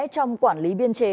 trong quản lý biên chế